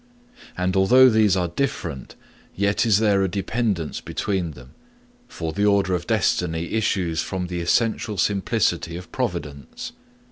And although these are different, yet is there a dependence between them; for the order of destiny issues from the essential simplicity of providence.